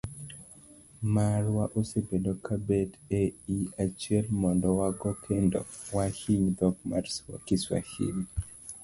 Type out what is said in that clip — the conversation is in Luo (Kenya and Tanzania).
Marwa osebedo ka bet e i achiel mondo wago kendo wahiny dhok mar Kiswahili.